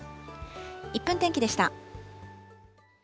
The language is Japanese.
１分天気でした。